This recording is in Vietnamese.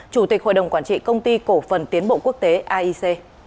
chủ tịch hội đồng quản trị công ty cổ phần tiến bộ quốc tế aic